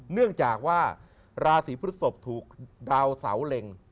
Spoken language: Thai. เนื่องจากว่าราศีพฤศพถูกดาวเสาเล็ง